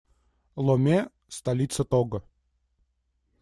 Ломе - столица Того.